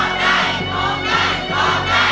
ร้องได้ร้องได้ร้องได้